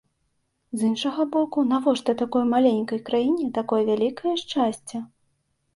З іншага боку, навошта такой маленькай краіне такое вялікае шчасце?